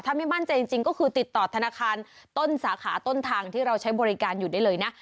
ถ้าไม่มั่นใจจริงก็คือติดต่อธนาคารต้นสาขาต้นทางที่เราใช้บริการอยู่ได้เลยนะ